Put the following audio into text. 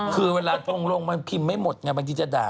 คือเวลาลงมันพิมพ์ไม่หมดไงบางทีจะด่า